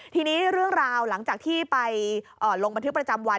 ทีนี้เรื่องราวหลังจากที่ไปลงบันทึกประจำวัน